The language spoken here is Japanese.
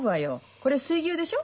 これ水牛でしょ？